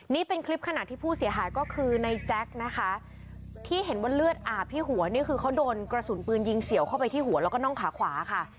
นี่เป็นคลิปขณะที่ผู้เสียหายก็คือในแจ๊คนะคะที่เห็นว่าเลือดอาบที่หัวนี่คือเขาโดนกระสุนปืนยิงเฉียวเข้าไปที่หัวแล้วก็น่องขาขวาค่ะ